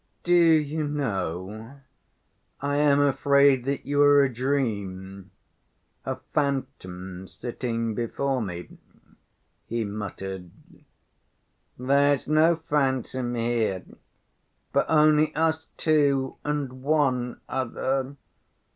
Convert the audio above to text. "Do you know, I am afraid that you are a dream, a phantom sitting before me," he muttered. "There's no phantom here, but only us two and one other.